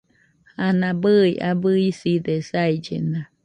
Ana bɨi abɨ iside saillena.